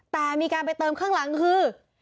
แต่มีการไปเติมข้างหลังคือ